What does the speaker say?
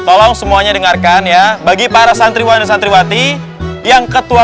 tolong semuanya dengarkan ya bagi para santriwan dan santriwati yang ketua